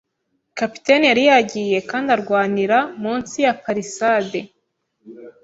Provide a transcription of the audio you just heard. capitaine yari yagiye kandi arwanira munsi ya palisade.